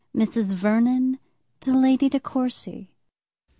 XI _Mrs. Vernon to Lady De Courcy.